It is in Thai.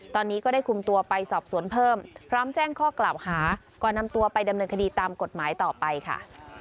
ตอนนี้ก็ได้คุมตัวไปสอบสวนเพิ่มพร้อมแจ้งข้อกล่าวหาก่อนนำตัวไปดำเนินคดีตามกฎหมายต่อไปค่ะ